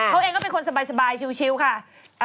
เขาเองก็เป็นคนสบายชิวค่ะ